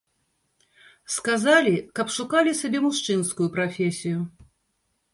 Сказалі, каб шукалі сабе мужчынскую прафесію.